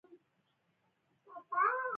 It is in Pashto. عرض البلد تر نوي درجو پورې بدلون موندلی شي